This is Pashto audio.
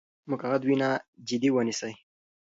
مقعد وینه جدي ونیسئ.